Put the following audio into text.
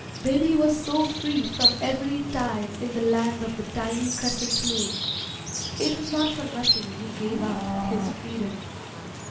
Baby was so free from every tie in the land of the tiny crescent moon. It was not for nothing he gave up his freedom.